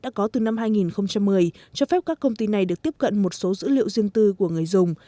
đã có từ năm hai nghìn một mươi cho phép các công ty này được tiếp cận một số dữ liệu riêng tư của người dùng